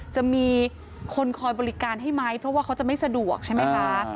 จะมีคนคอยบริการให้ไหมเพราะว่าเขาจะไม่สะดวกใช่ไหมคะ